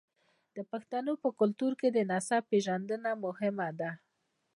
د پښتنو په کلتور کې د نسب پیژندنه مهمه ده.